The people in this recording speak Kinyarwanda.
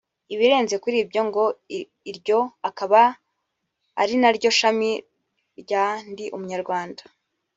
ibirenze kuri ibyo ngo iryo akaba ari naryo shami rya NdiUmunyarwanda